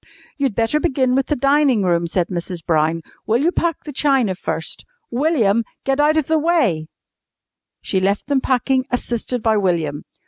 "You'd better begin with the dining room," said Mrs. Brown. "Will you pack the china first? William, get out of the way!" She left them packing, assisted by William.